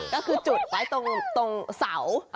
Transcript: ก็คือจุดไว้ตรงเสา